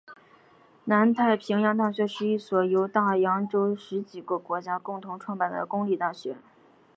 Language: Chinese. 南太平洋大学是一所由大洋洲十几个国家共同创办的公立大学。